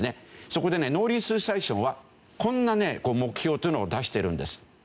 そこでね農林水産省はこんなね目標っていうのを出してるんです。